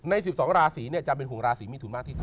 ใน๑๒ราศีจะเป็นห่วงราศีมีทุนมากที่สุด